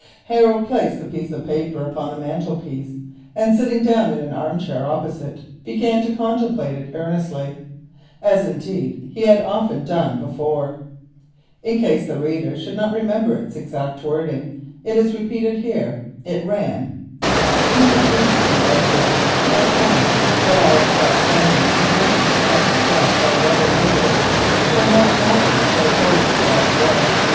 Harold placed the piece of paper upon the mantelpiece, and sitting down in an arm chair opposite began to contemplate it earnestly, as indeed he had often done before. In case its exact wording should not be remembered, it is repeated here. It ran: "_Do not grieve for me, Edward, my son, that I am thus suddenly and wickedly done to death by rebel murderers, for nought happeneth but according to God's will.